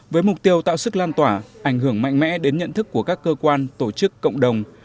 với mục tiêu tạo sức lan tỏa ảnh hưởng mạnh mẽ đến nhận thức của các cơ quan tổ chức cộng đồng